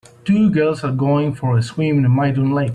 Two girls are going for a swim in a mountain lake.